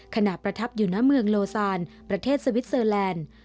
ประทับอยู่หน้าเมืองโลซานประเทศสวิสเซอร์แลนด์